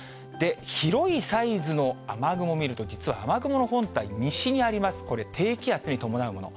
広いサイズの雨雲見ると、実は雨雲の本体、西にあります、これ、低気圧に伴うもの。